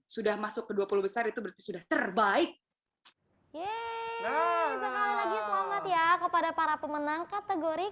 sudah masuk ke dua puluh besar itu berarti sudah terbaik yeay sekali lagi selamat ya kepada para pemenang kategori